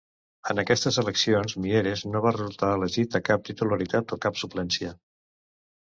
En aquestes eleccions Mieres no va resultar elegit a cap titularitat o cap suplència.